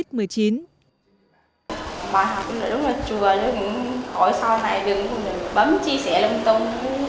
bà cũng là đúng là chùa đúng là hỏi sao lại đứng bấm chia sẻ lung tung